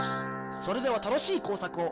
それでは楽しい工作を！